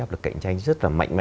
hợp lực cạnh tranh rất là mạnh mẽ